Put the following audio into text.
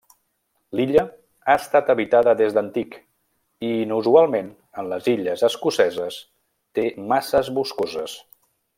L'illa ha estat habitada des d'antic i, inusualment en les illes escoceses, té masses boscoses.